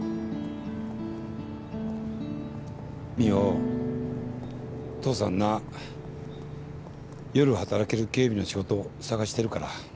未央父さんな夜働ける警備の仕事探してるから。